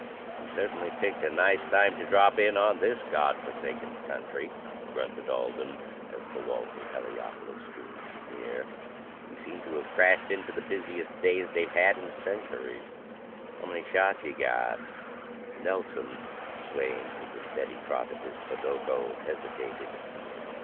"We certainly picked a nice time to drop in on this God forsaken country," grunted Alden as the walls of Heliopolis loomed near. "We seem to have crashed into the busiest days they've had in centuries. How many shots you got?" Nelson, swaying to the steady trot of his podoko, hesitated.